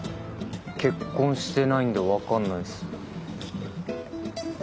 結婚してないんで分かんないっす。